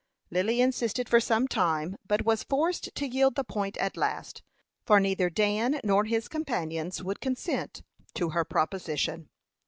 Lily insisted for some time, but was forced to yield the point at last; for neither Dan nor his companions would consent to her proposition.